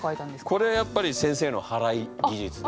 これはやっぱり先生のはらい技術で。